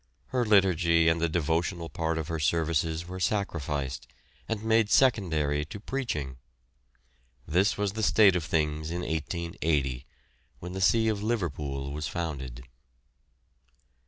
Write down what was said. Her liturgy and the devotional part of her services were sacrificed, and made secondary to preaching. This was the state of things in 1880, when the see of Liverpool was founded.